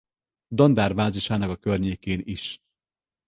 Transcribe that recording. Dandár bázisának a környékén is.